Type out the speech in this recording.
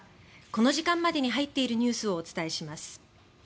この時間までに入っているニュースをお伝えします。